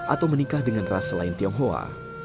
atau menikah dengan ras selain tionghoa